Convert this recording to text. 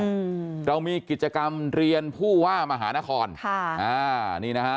อืมเรามีกิจกรรมเรียนผู้ว่ามหานครค่ะอ่านี่นะฮะ